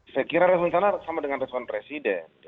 saya kira respon istana sama dengan respon presiden